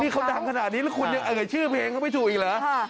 เขาดังขนาดนี้แล้วคุณยังเอ่ยชื่อเพลงเขาไม่ถูกอีกเหรอ